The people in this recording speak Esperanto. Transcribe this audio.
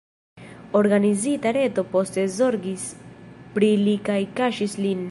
Organizita reto poste zorgis pri li kaj kaŝis lin.